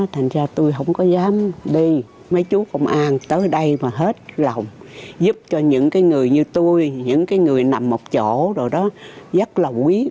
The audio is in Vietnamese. thành ra tôi không có dám đi mấy chú công an tới đây mà hết lòng giúp cho những người như tôi những người nằm một chỗ rồi đó rất là quý